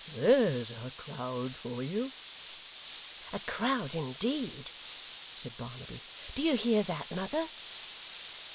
There's a crowd for you!' 'A crowd indeed!' said Barnaby. 'Do you hear that, mother!